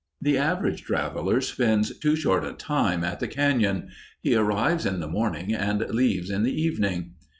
The average traveler spends too short a time at the cañon. He arrives in the morning and leaves in the evening.